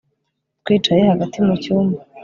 Twicaye hagati mu cyumba